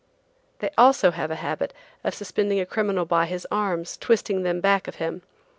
They also have a habit of suspending a criminal by his arms, twisting them back of him.